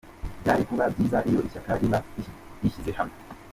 Byari kuba byiza iyo ishyaka riba rishyize hamwe.